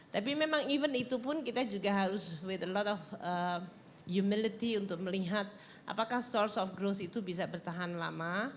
tapi memang even itu pun kita juga harus with alot of humility untuk melihat apakah source of growth itu bisa bertahan lama